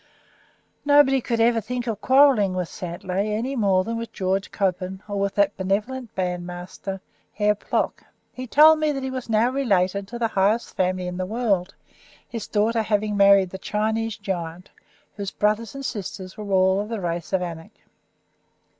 Nobody could ever think of quarrelling with Santlay any more than with George Coppin, or with that benevolent bandmaster, Herr Plock. He told me that he was now related to the highest family in the world, his daughter having married the Chinese giant, whose brothers and sisters were all of the race of Anak.